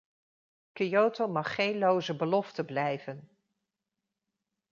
Kyoto mag geen loze belofte blijven.